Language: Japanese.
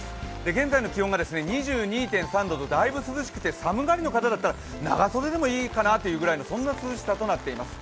現在の気温が２２．３度とだいぶ涼しくて、寒がりの方だったら長袖でもいいかなというぐらいの涼しさとなっています。